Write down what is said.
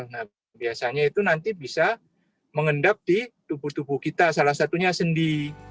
nah biasanya itu nanti bisa mengendap di tubuh tubuh kita salah satunya sendi